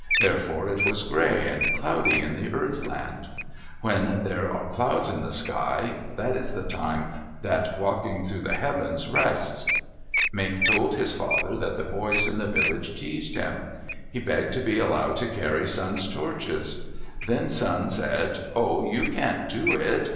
Therefore it was gray and cloudy in the Earth Land. When there are clouds in the sky, that is the time that Walking through the Heavens rests. Mink told his father that the boys in the village teased him. He begged to be allowed to carry Sun's torches. Then Sun said, "Oh, you can't do it.